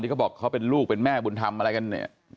เขาบอกเขาเป็นลูกเป็นแม่บุญธรรมอะไรกันเนี่ย